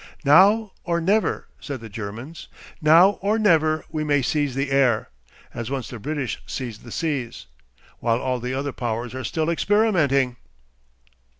"Now or never," said the Germans "now or never we may seize the air as once the British seized the seas! While all the other powers are still experimenting."